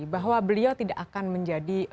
bahwa beliau tidak akan menjadi